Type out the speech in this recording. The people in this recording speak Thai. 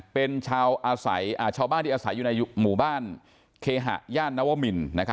เป็นชาวบ้านที่อาศัยอยู่ในหมู่บ้านเคหะย่านนวมิน